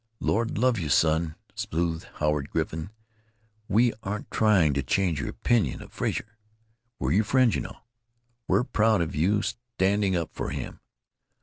"Lord love you, son," soothed Howard Griffin, "we aren't trying to change your opinion of Frazer. We're, your friends, you know. We're proud of you for standing up for him.